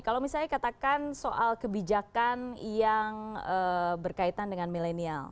kalau misalnya katakan soal kebijakan yang berkaitan dengan milenial